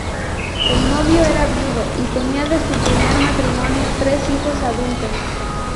El novio era viudo y tenía de su primer matrimonio tres hijos adultos.